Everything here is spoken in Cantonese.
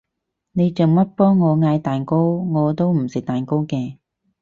你做乜幫我嗌蛋糕？我都唔食蛋糕嘅